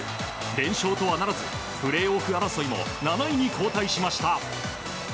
連勝とはならずプレーオフ争いも７位に後退しました。